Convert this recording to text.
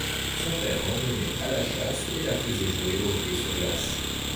Son Père l'emmenait à la chasse et la faisait jouer au hockey sur glace.